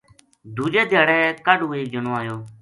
دوجے دیہاڑے کاہڈو ایک جنو آیو